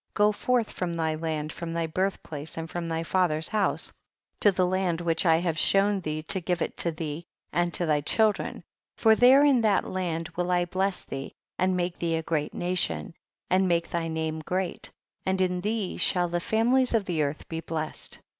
Go forth from thy land, from thy birth place and from thy father's house, to the land which I have shown thee to give it to thee and to thy children, for there in that land will I bless thee, and make thee a great nation, and make thy name great, and in thee shall the families of the earth be blessed.